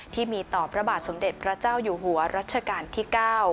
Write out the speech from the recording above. ที่มีต่อพระบาทสมเด็จพระเจ้าอยู่หัวรัชกาลที่๙